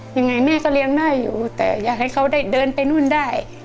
ยังไงแม่ก็เลี้ยงได้อยู่แต่อยากให้เขาได้เดินไปนู่นได้